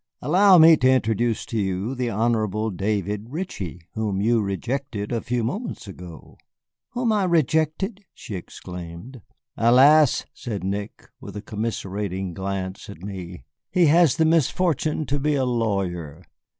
"Allow me to introduce to you the Honorable David Ritchie, whom you rejected a few moments ago." "Whom I rejected?" she exclaimed. "Alas," said Nick, with a commiserating glance at me, "he has the misfortune to be a lawyer."